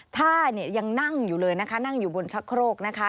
ท่าเนี่ยยังนั่งอยู่เลยนะคะนั่งอยู่บนชะโครกนะคะ